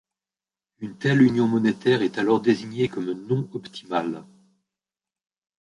Une telle union monétaire est alors désignée comme non optimale.